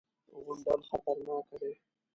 _غونډل خطرناکه دی.